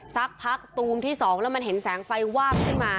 สักพักตูมที่๒แล้วมันเห็นแสงไฟวาบขึ้นมา